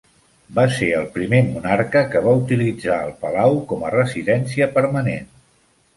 Va ser el primer monarca que va utilitzar el palau com a residència permanent.